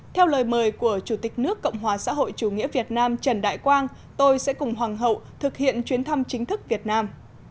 theo lời mời của chủ tịch nước cộng hòa xã hội chủ nghĩa việt nam trần đại quang tôi sẽ cùng hoàng hậu thực hiện chuyến thăm chính thức việt nam